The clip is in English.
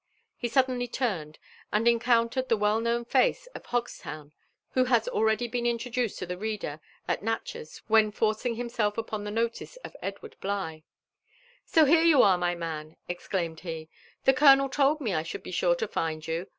He sud denly turned, and encountered the well known face of Hogslown, who has already been introduced to the reader at Nalchez when forcing himself upoQ the notice of £dward Bligh. ," So here you are, my man!" exclaimed he. '' The colonel toM me I should be sure to find you.